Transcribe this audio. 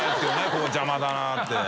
ここ邪魔だなって。）